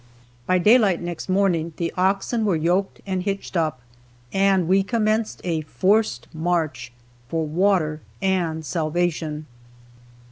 By daylight next morning the oxen were yoked and hitched up and we commenced a forced march for water and salvation.